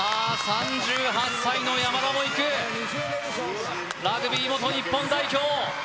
３８歳の山田もいくラグビー元日本代表